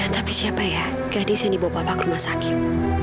tapi siapa ya gadis yang dibawa bapak ke rumah sakit